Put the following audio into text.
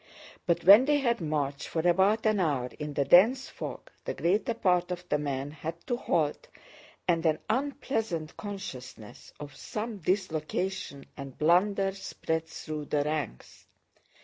But when they had marched for about an hour in the dense fog, the greater part of the men had to halt and an unpleasant consciousness of some dislocation and blunder spread through the ranks.